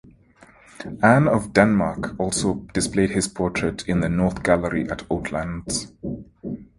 Anne of Denmark also displayed his portrait in the north gallery at Oatlands.